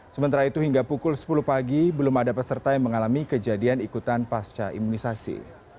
sementara itu hingga pukul sepuluh pagi belum ada peserta yang mengalami kejadian ikutan pasca imunisasi